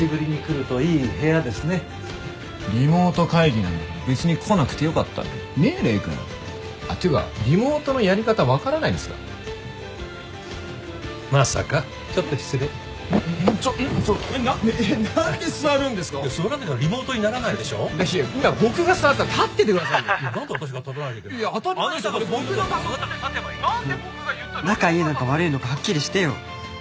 仲いいのか悪いのかはっきりしてよ。